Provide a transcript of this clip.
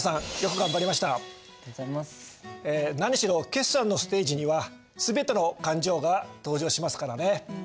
何しろ決算のステージには全ての勘定が登場しますからね。